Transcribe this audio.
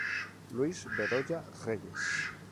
Luis Bedoya Reyes.